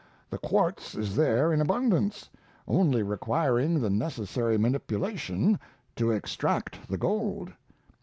The quartz is there in abundance, only requiring the necessary manipulation to extract the gold.